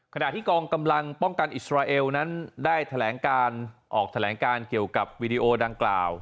ขณะที่กองกำลังป้องกันอิสราเอลนั้นได้แถลงการออกแถลงการเกี่ยวกับวีดีโอดังกล่าว